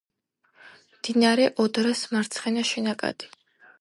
მდინარე ოდრას მარცხენა შენაკადი.